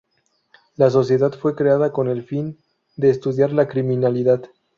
La Sociedad fue creada con el fin de estudiar la criminalidad.